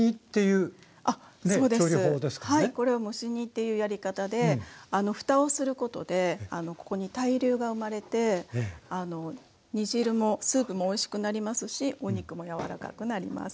これは蒸し煮っていうやり方で蓋をすることでここに対流が生まれて煮汁もスープもおいしくなりますしお肉もやわらかくなります。